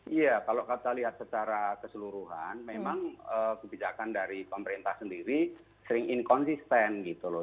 iya kalau kita lihat secara keseluruhan memang kebijakan dari pemerintah sendiri sering inkonsisten gitu loh